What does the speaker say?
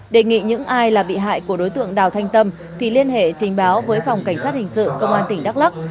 đề nghị những ai là bị hại của đối tượng đào thanh tâm thì liên hệ trình báo với phòng cảnh sát hình sự công an tỉnh đắk lắc